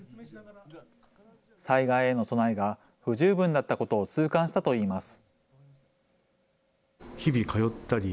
災害への備えが不十分だったことを痛感したといいます。